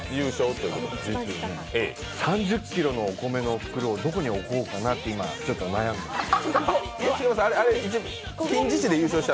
３０ｋｇのお米の袋をどこに置こうかなとちょっと悩んでます。